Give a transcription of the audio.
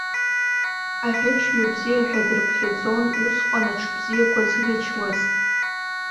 Аӷьычҩы бзиа ҳәа дрыԥхьаӡон усҟан аҽы бзиақәа зӷьычуаз.